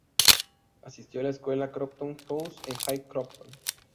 Asistió a la escuela Crompton House en High Crompton.